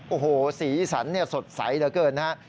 โอ้โฮศรีศรรย์สดใสเหลือเกินนะครับ